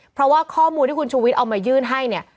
เพราะว่าข้อมูลที่คุณชูวิทย์เอามายื่นให้เนี่ย